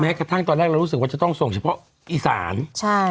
กระทั่งตอนแรกเรารู้สึกว่าจะต้องส่งเฉพาะอีสานใช่